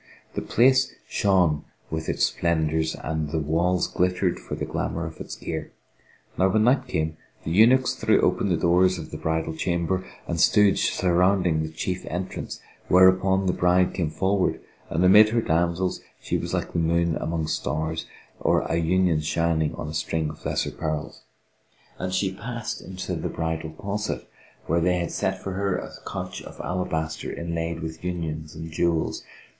The place shone with its splendours and the walls glittered for the glamour of its gear. Now when night came, the eunuchs threw open the doors of the bridal chamber and stood surrounding the chief entrance whereupon the bride came forward and amid her damsels she was like the moon among stars or an union shining on a string of lesser pearls, and she passed into the bridal closet where they had set for her a couch of alabaster inlaid with unions and jewels.